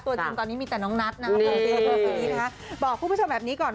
ตัวจริงตอนนี้มีแต่น้องนัทนะครับบอกผู้ผู้ชมแบบนี้ก่อน